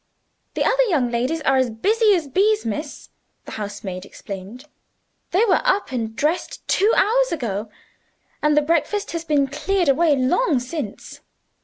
"The other young ladies are as busy as bees, miss," the housemaid explained. "They were up and dressed two hours ago: and the breakfast has been cleared away long since.